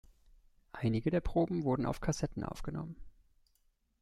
Einige der Proben wurden auf Kassetten aufgenommen.